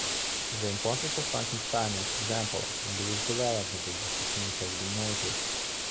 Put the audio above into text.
The importance of Frankenthaler's example in Louis's development of this technique has been noted.